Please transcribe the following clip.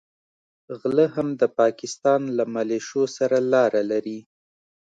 غله هم د پاکستان له مليشو سره لاره لري.